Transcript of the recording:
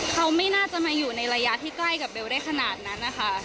เขาไม่น่าจะมาอยู่ในระยะที่ใกล้กับเบลได้ขนาดนั้นนะคะ